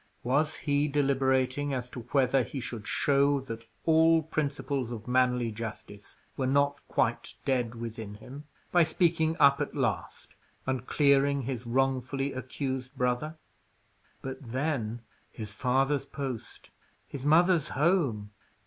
Was he deliberating as to whether he should show that all principles of manly justice were not quite dead within him, by speaking up at last, and clearing his wrongfully accused brother? But then his father's post his mother's home?